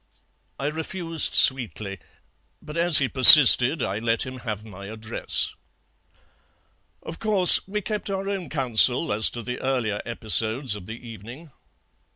"I refused sweetly, but as he persisted I let him have my address. "Of course, we kept our own counsel as to the earlier episodes of the evening.